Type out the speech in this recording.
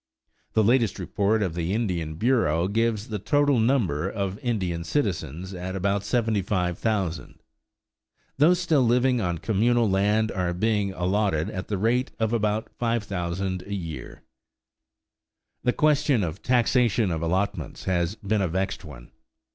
The latest report of the Indian Bureau gives the total number of Indian citizens at about 75,000. Those still living on communal land are being allotted at the rate of about 5,000 a year. The question of taxation of allotments has been a vexed one.